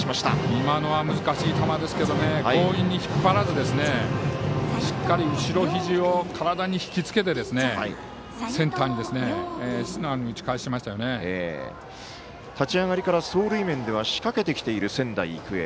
今のは難しい球ですが強引に引っ張らずしっかり後ろひじを体にひきつけて立ち上がりから走塁面では仕掛けてきている仙台育英。